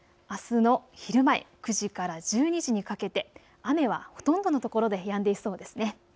あすの昼前、９時から１２時にかけて雨はほとんどの所でやんでいそうですね。